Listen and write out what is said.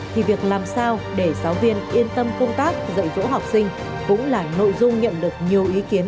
thì việc làm sao để giáo viên yên tâm công tác dạy dỗ học sinh cũng là nội dung nhận được nhiều ý kiến